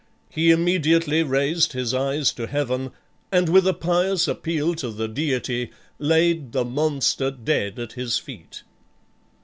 He immediately raised his eyes to heaven, and with a pious appeal to the Deity laid the monster dead at his feet.